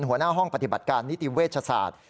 หัวหน้าห้องปฏิบัติการนิติเวชศาสตร์